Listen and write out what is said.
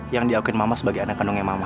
yang diakuin mama sebagai anak kandungnya mama